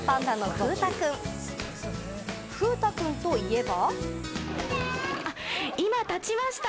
風太くんといえば。